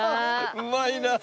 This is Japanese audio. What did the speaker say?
うまいなあ！